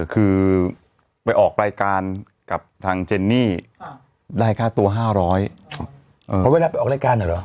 คือไปออกรายการกับทางเจนนี่ได้ค่าตัว๕๐๐เพราะเวลาไปออกรายการอ่ะเหรอ